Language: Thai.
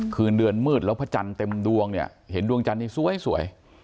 คืนเดือนมืดแล้วพระจันทร์เต็มดวงเนี่ยเห็นดวงจันทร์นี้สวย